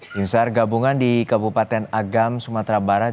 tim sar gabungan di kabupaten agam sumatera barat